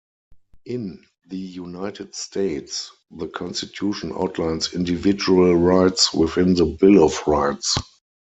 In the United States, the Constitution outlines individual rights within the Bill of Rights.